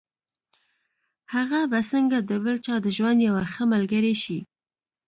هغه به څنګه د بل چا د ژوند يوه ښه ملګرې شي.